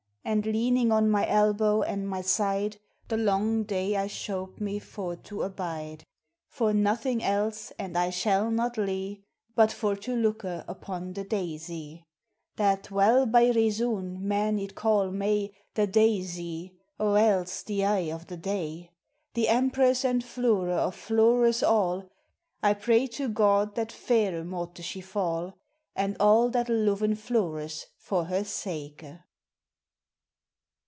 177 And leaning on my elbow and my side, The long day I shope me for to abide, For nothing els, and I shall nal lie, But for to looke upon the daisie, That well by reason men it call may The daisie, or els the eye of the day, The empress and floure of floures all, I pray to God that faire mote she fall, And all that loven floures for her Bake.